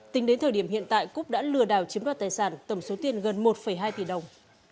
tính đến thời điểm hiện tại cúc đã lừa đảo chiếm đoạt tài sản tổng số tiền gần một hai tỷ đồng